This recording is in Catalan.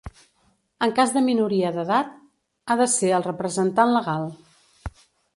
En cas de minoria d'edat ha de ser el representant legal.